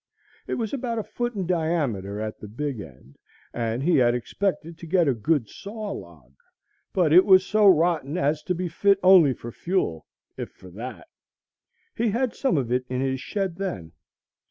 It was about a foot in diameter at the big end, and he had expected to get a good saw log, but it was so rotten as to be fit only for fuel, if for that. He had some of it in his shed then.